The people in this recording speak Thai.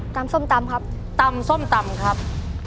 ส้มตำครับตำส้มตำครับ